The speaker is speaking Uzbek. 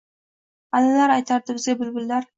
Allalar aytardi bizga bulbullar.